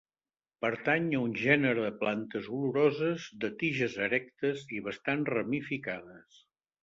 Pertany a un gènere de plantes oloroses, de tiges erectes i bastant ramificades.